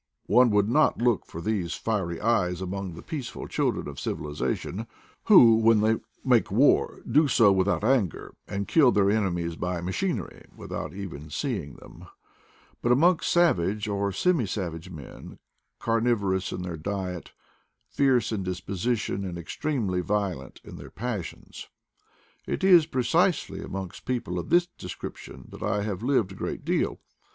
One would not look for these fiery eyes amongst the peaceful children of civilization, who, when they make war, do so without anger, and kill their enemies by machinery, without even seeing them; but amongst savage or semi savage men, carnivorous in their diet, fierce in disposition, and extremely violent in their passions. It is precisely amongst people of this description that I have lived a great deal.